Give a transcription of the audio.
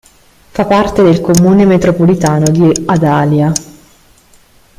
Fa parte del comune metropolitano di Adalia.